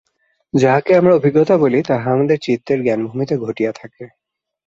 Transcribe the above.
যাহাকে আমরা অভিজ্ঞতা বলি, তাহা আমাদের চিত্তের জ্ঞানভূমিতে ঘটিয়া থাকে।